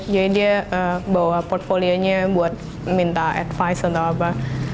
jadi dia bawa portfolio nya buat minta advice atau apa